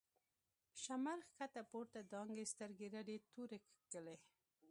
” شمر” ښکته پورته دانگی، سترگی رډی توره کښلی